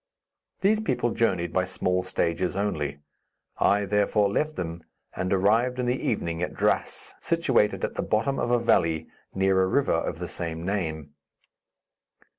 These people journeyed by small stages only; I, therefore, left them and arrived in the evening at Drass, situated at the bottom of a valley near a river of the same name.